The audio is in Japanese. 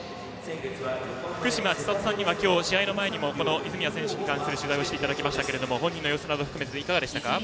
福島千里さんには今日、試合前に泉谷選手に関する取材をしていただきましたが本人の様子など含めていかがでしたか？